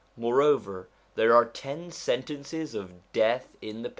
Moreover, there are ten sentences of death in the 1 i.